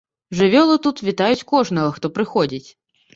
Жывёлы тут вітаюць кожнага, хто прыходзіць.